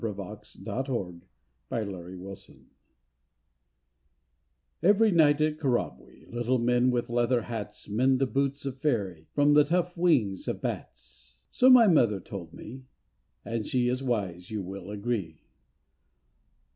249 AT CURRABWEE Every night at Currabwee Little men with leather hats Mend the boots of Faery From the tough wings of the bats. So my mother told to me, And she is wise you will agree.